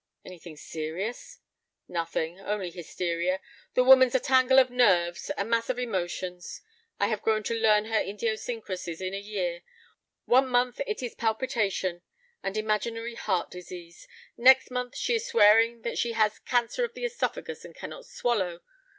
"Anything serious?" "Nothing; only hysteria; the woman's a tangle of nerves, a mass of emotions. I have grown to learn her idiosyncrasies in a year. One month it is palpitation—and imaginary heart disease, next month she is swearing that she has cancer of the œsophagus and cannot swallow.